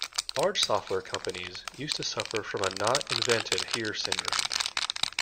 Large software companies used to suffer from a not invented here syndrome.